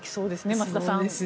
増田さん。